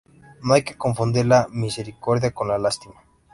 No hay que confundir la misericordia con la lástima.